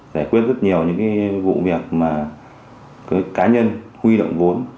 giải quyết rất nhiều những vụ việc mà cá nhân huy động vốn